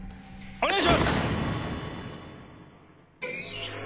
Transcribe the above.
お願いします！